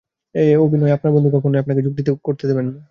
এ অভিনয়ে আপনার বন্ধু কখনোই আপনাকে যোগ দিতে দেবেন না।